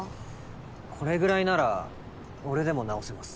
これぐらいなら俺でも直せます。